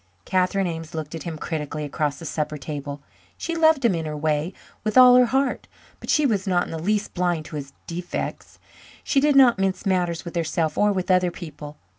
Catherine Ames looked at him critically across the supper table. She loved him in her way, with all her heart, but she was not in the least blind to his defects. She did not mince matters with herself or with other people.